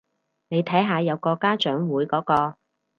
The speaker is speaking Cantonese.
你睇下有個家長會嗰個